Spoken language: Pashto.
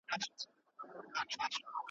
هر شوقي یې د رنګونو خریدار وي